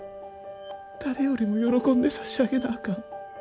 誰よりも喜んで差し上げなあかん。